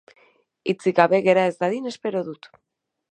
Hitzik gabe gera ez dadin espero dut.